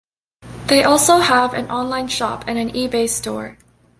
They also have an online shop and an eBay Store.